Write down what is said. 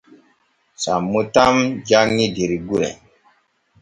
Sammo tan janŋi der gure.